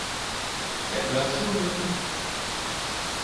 Get well soon!